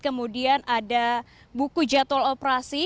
kemudian ada buku jadwal operasi